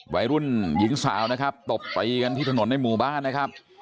วัยรุ่นหญิงสาวนะครับตบตีกันที่ถนนในหมู่บ้านนะครับ